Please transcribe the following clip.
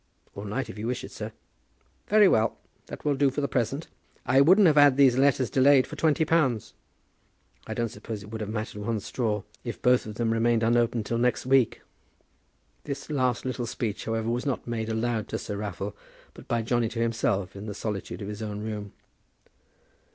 "All night, if you wish it, sir." "Very well. That will do for the present. I wouldn't have had these letters delayed for twenty pounds." "I don't suppose it would have mattered one straw if both of them remained unopened till next week." This last little speech, however, was not made aloud to Sir Raffle, but by Johnny to himself in the solitude of his own room.